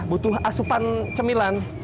butuh asupan cemilan